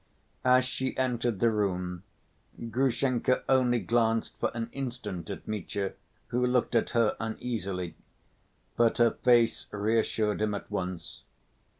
As she entered the room, Grushenka only glanced for an instant at Mitya, who looked at her uneasily. But her face reassured him at once.